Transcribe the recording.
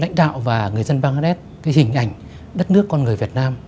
lãnh đạo và người dân băng la đét hình ảnh đất nước con người việt nam